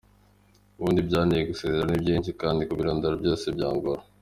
Ubundi ibyanteye gusezera ni byinshi kandi kubirondora byose byangora.